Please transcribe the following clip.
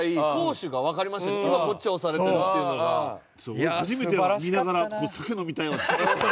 俺初めて見ながら酒飲みたいわって。